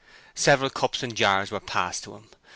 Several cups and jars were passed to him.